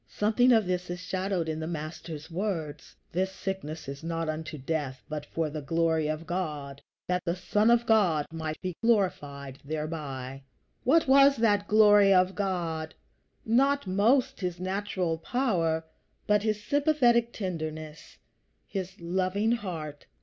Something of this is shadowed in the Master's words: "This sickness is not unto death, but for the glory of God, that the Son of God might be glorified thereby." What was that glory of God? Not most his natural power, but his sympathetic tenderness, his loving heart.